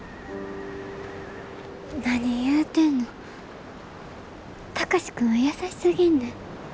何言うてんの貴司君は優しすぎんねん。